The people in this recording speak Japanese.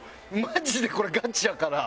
マジでこれガチやから。